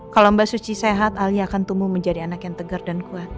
kalau mbak suci sehat alia akan tumbuh menjadi anak yang tegar dan kuat